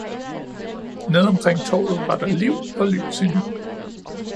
Nede omkring torvet var der liv og lys endnu.